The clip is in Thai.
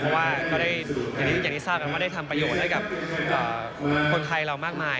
เพราะว่าก็ได้อย่างนี้ที่ที่ที่ที่ทราบก็ได้ทำประโยชน์ให้กับคนไทยเรามากมาย